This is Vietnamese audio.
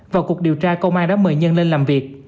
vào cuộc điều tra công an đã mời nhân lên làm việc